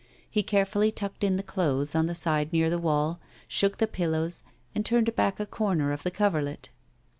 He carefully tucked in the clothes on the side near the wall, shook the pillows, and turned back a corner of the coverlet.